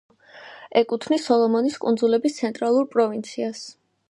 ეკუთვნის სოლომონის კუნძულების ცენტრალურ პროვინციას.